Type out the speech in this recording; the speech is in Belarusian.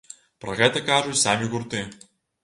Пра гэта кажуць самі гурты.